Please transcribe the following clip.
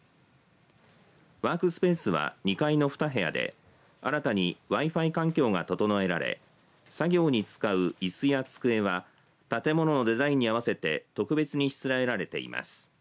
ワークスペースは２階の２部屋で新たにＷｉ‐Ｆｉ環境が整えられ作業に使う、いすや机は建物のデザインに合わせて特別にしつらえられています。